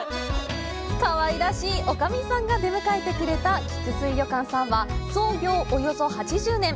かわいらしいおかみさんが出迎えてくれた菊水旅館さんは創業およそ８０年。